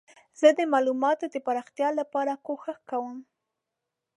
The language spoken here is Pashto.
زه د معلوماتو د پراختیا لپاره کوښښ کوم.